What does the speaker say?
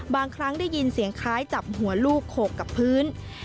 บางครั้งได้ยินเสียงคล้ายจับหัวลูกโขกกับพื้น